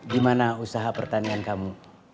gimana usaha pertanian kamu